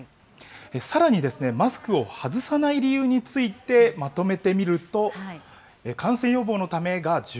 さらに、マスクを外さない理由について、まとめてみると、感染予防のためが１５人、